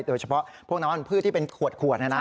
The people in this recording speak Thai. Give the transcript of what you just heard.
โดยเฉพาะพวกน้ำมันพืชที่เป็นขวด